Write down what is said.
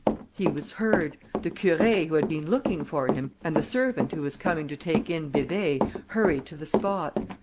He was heard; the Curé, who had been looking for him, and the servant who was coming to take in Bébé, hurried to the spot.